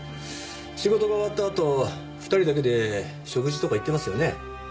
仕事が終わったあと２人だけで食事とか行ってますよね？